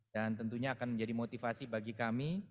dan tentunya akan menjadi motivasi bagi kami